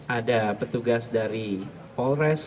ada pertugas dari polres